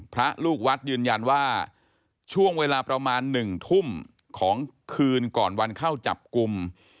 พระลูกวัดยืนยันว่าช่วงเวลาประมาณ๑ทุ่มของคืนก่อนวันเข้าจับกลุ่ม